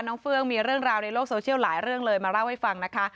เฟื่องมีเรื่องราวในโลกโซเชียลหลายเรื่องเลยมาเล่าให้ฟังนะคะ